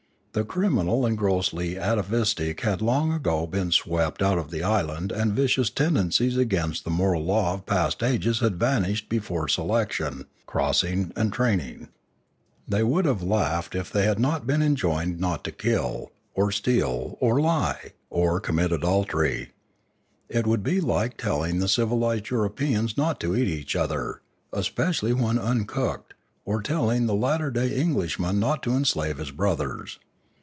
The criminal and grossly atavistic had been long ago swept out of the island and vicious ten dencies against the moral law of past ages had vanished before selection, crossing, and training. They would have laughed if they had been enjoined not to kill, or 57°, Limanora steal, or lie, or commit adultery. It would be like telliug the civilised Europeans not to eat each other, especially when uncooked, or telling the latter day Englishman not to enslave his brothers.